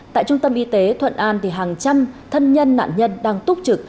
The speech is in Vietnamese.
tại trung tâm y tế thuận an hàng trăm thân nhân nạn nhân đang túc trực